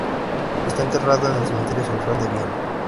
Está enterrado en el Cementerio Central de Viena.